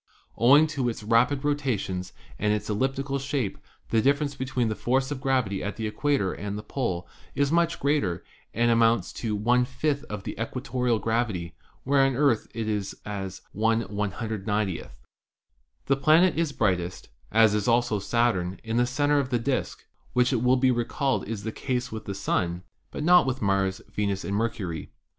Owing to its rapid rotations and its elliptical shape the difference between the force of gravity at the equator and the pole is much greater and amounts to }i of the equatorial gravity, where on the Earth it is as 1 /iw>. The planet is brightest, as is also Saturn, in the center of the disk, which it will be recalled is the case with the Sun, but not with Mars, Venus and Mercury.